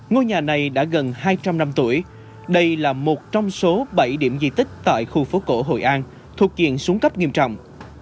ngôi nhà này đã gần hai trăm linh năm tuổi đây là một trong số bảy điểm di tích tại khu phố cổ hội an thuộc diện xuống cấp nghiêm trọng